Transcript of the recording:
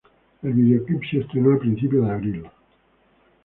El videoclip se estrenó a principios de abril.